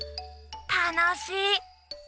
たのしい。